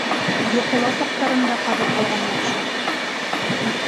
Йоҡола саҡтарында ҡаҙып алған яҡшы.